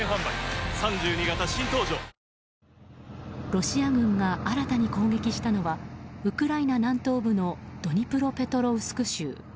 ロシア軍が新たに攻撃したのはウクライナ南東部のドニプロペトロウスク州。